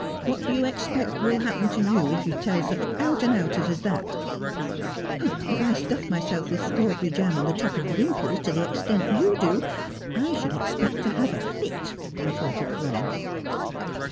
' What do you expect will happen to you if you tell such out and outers as that 1 ' 'If I stuffed myself with strawberry jam on the top of winkles to the extent you do, I should expect to have a fit,' retorted Florence.